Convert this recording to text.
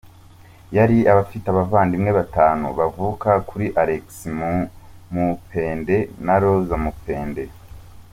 Yari afite abavandimwe batanu, bavuka kuri Alex Mupende na Rose Mupende.